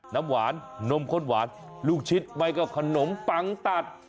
น้ำหวานนมข้นหวานลูกชิ้นไม่ก็ขนมปังตัด